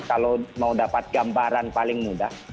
kalau mau dapat gambaran paling mudah